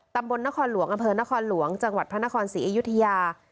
ตำบลนครหลวงอำเภอนครหลวงจังหวัดพระนครศรีอยุธยา